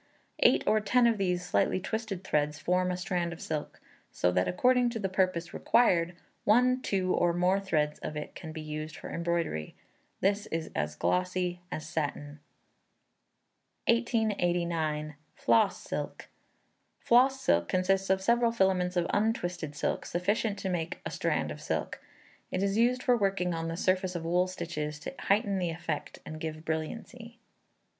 Eight or ten of these slightly twisted threads form a strand of silk, so that, according to the purpose required, one, two, or more threads of it can be used for embroidery. This is glossy as satin. 1889. Floss Silk. Floss silk consists of several filaments of untwisted silk sufficient to make a strand of silk. It is used for working on the surface of wool stitches to heighten the effect and give brilliancy.